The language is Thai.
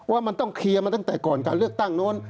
ว่ามันต้องเคลียร์มาตั้งแต่ก่อนการเลือกตั้งโน้น